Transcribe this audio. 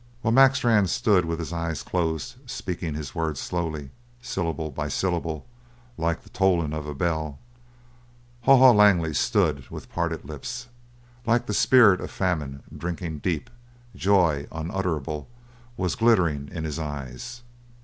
While Mac Strann stood with his eyes closed, speaking his words slowly, syllable by syllable, like the tolling of a bell, Haw Haw Langley stood with parted lips like the spirit of famine drinking deep; joy unutterable was glittering in his eyes.